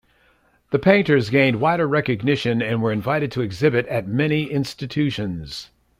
The painters gained wider recognition and were invited to exhibit at many institutions.